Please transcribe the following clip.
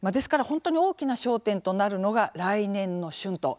本当に大きな焦点となるのが来年の春闘。